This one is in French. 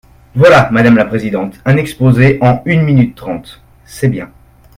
Voilà, madame la présidente, un exposé en une minute trente ! C’est bien.